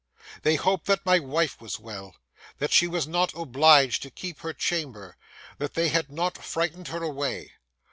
They hoped that my wife was well,—that she was not obliged to keep her chamber,—that they had not frightened her away.